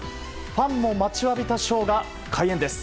ファンも待ちわびたショーが開演です。